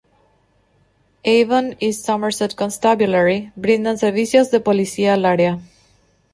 Avon y Somerset Constabulary brindan servicios de policía al área.